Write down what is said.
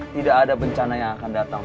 tidak ada bencana yang akan datang